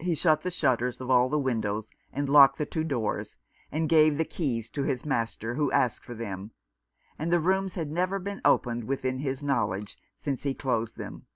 He shut the shutters of all the windows, and locked the two doors, and gave the keys to his master, who asked for them ; and the rooms had never been opened within his knowledge since he closed them.